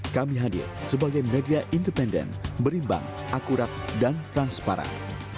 kami hadir sebagai media independen berimbang akurat dan transparan